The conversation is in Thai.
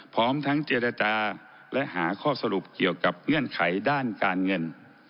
พร้อมทั้งเจรจาและหาข้อสรุปเกี่ยวกับเงื่อนไขด้านการเงิน